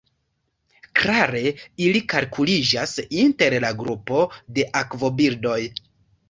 Klare ili kalkuliĝas inter la grupo de akvobirdoj.